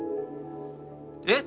えっ！